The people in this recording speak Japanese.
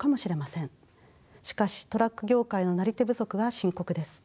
しかしトラック業界のなり手不足は深刻です。